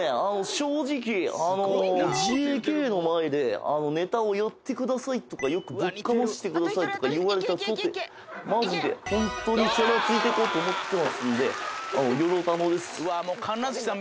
「正直あのＪＫの前でネタをやってくださいとかよくぶっかましてくださいとか言われたとてマジでホントにチャラついてこうと思ってますんでよろたのです」